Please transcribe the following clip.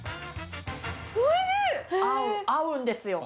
合う合うんですよ。